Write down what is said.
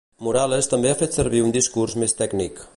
Morales també ha fet servir un discurs més tècnic.